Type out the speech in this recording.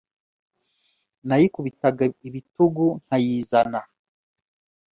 nayikubitaga ibitugu nkayizana,